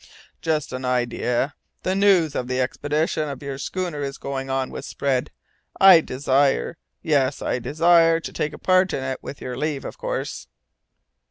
"Just an idea. The news of the expedition your schooner is going on was spread. I desire, yes, I desire to take part in it with your leave, of course."